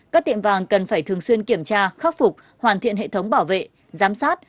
các tiệm vàng cần phải thường xuyên kiểm tra khắc phục hoàn thiện hệ thống bảo vệ giám sát